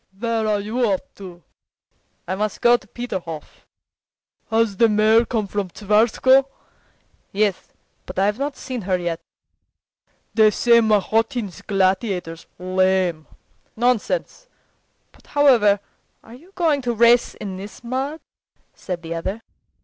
"Where are you off to?" "I must go to Peterhof." "Has the mare come from Tsarskoe?" "Yes, but I've not seen her yet." "They say Mahotin's Gladiator's lame." "Nonsense! But however are you going to race in this mud?" said the other.